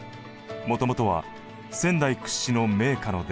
もともとは仙台屈指の名家の出。